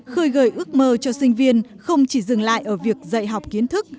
khơi gợi ước mơ cho sinh viên không chỉ dừng lại ở việc dạy học kiến thức